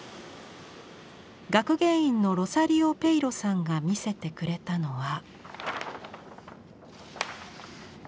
学芸員のロサリオ・ペイロさんが見せてくれたのは。